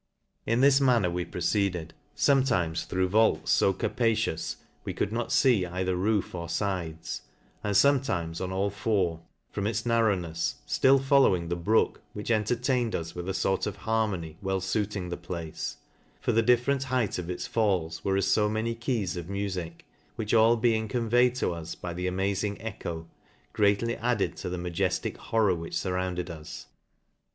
In this manner we proceeded, fome times through vaults fo capacious, we could not fee either roof or fides ; and fometimes on all four, from its narrownefs, ftill following the brook, which entertained us with a fort of harmony well fuiting the place ; for the different height of its falls were as fo many keys of mufic, which all being con veyed to us by the amazing echo, greatly added to the majeftic horror which furrounded us.